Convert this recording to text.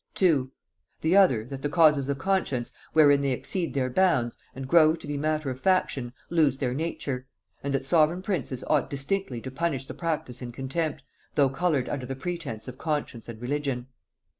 "2. The other, that the causes of conscience, wherein they exceed their bounds, and grow to be matter of faction, lose their nature; and that sovereign princes ought distinctly to punish the practice in contempt, though coloured under the pretence of conscience and religion.